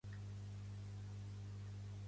El tren bala de la Xina és punter.